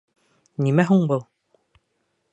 — Нимә һуң был?